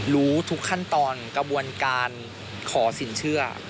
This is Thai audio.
รู้ทุกขั้นตอนกระบวนการขอสินเชื่อ